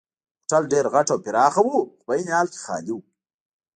هوټل ډېر غټ او پراخه وو خو په عین حال کې خالي وو.